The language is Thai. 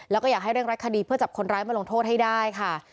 แล้วก็อยากให้เร่งรัดคดีเพื่อจับคนร้ายมาลงโทษให้ได้ค่ะ